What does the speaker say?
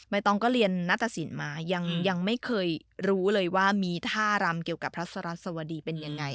ต้องก็เรียนนัตตสินมายังไม่เคยรู้เลยว่ามีท่ารำเกี่ยวกับพระสรัสวดีเป็นยังไง